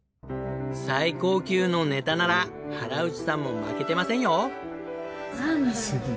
最高級のネタなら原内さんも負けてませんよ。